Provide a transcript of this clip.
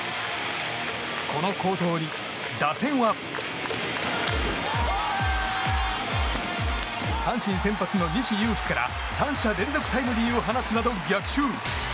この好投に、打線は阪神先発の西勇輝から３者連続タイムリーを放つなど逆襲！